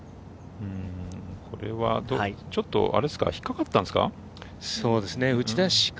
ちょっと引っかかったんですか？